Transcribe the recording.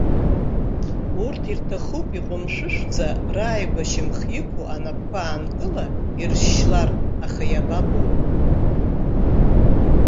Урҭ ирҭахуп иҟәымшәышәӡа рааигәа ашьамхы иқәу анапқәа аанкыла иршьшьлар, аха иабаҟоу.